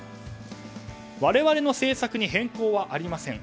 我々の政策に変更はありません。